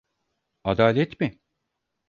Adalet mi?